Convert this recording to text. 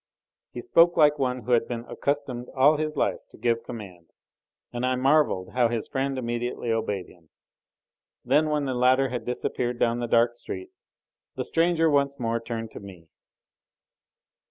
He spoke like one who had been accustomed all his life to give command, and I marvelled how his friend immediately obeyed him. Then when the latter had disappeared down the dark street, the stranger once more turned to me.